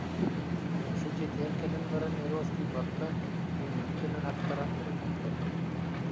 Алеша дьиэтигэр кэлэн баран өр уоскуйбакка, бүгүҥҥү күнүн аттаран, ырытан көрдө